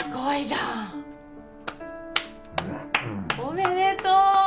なんおめでとう！